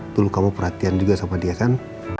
dulu kamu perhatian juga sama dia kan